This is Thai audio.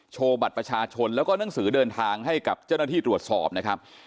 โชว์บัตรประชาชนแล้วก็หนังสือเดินทางให้กับเจ้าหน้าที่ตรวจสอบนะครับ